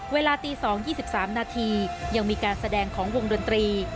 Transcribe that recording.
เวลาตี๒๒๓นาทียังมีการแสดงของวงดนตรี